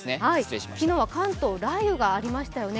昨日は関東、雷雨がありましたよね。